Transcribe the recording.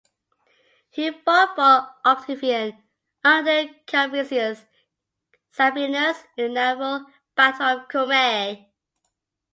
He fought for Octavian under Calvisius Sabinus in the naval battle off Cumae.